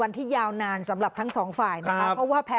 อ๋อถ้าเธอทำหน้ากลางนี่นะครับ